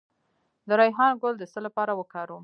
د ریحان ګل د څه لپاره وکاروم؟